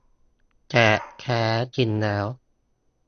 แต่แท้จริงแล้ว